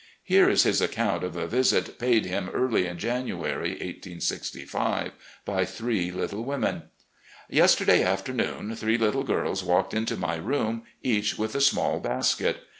Here is his accotmt of a visit paid him, early in January, 1865, by three little women: "... Yesterday afternoon three little girls walked into my room, each with a small basket.